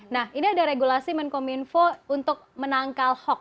nah ini ada regulasi menkominfo untuk menangkal hoax